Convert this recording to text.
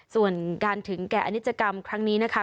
ส่วนการถึงแก่อนิจกรรมครั้งนี้นะคะ